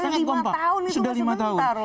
sudah lima tahun itu sudah sebentar loh